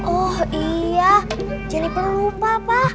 oh iya jadi perlu pa